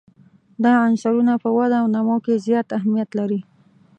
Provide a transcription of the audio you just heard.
دا عنصرونه په وده او نمو کې زیات اهمیت لري.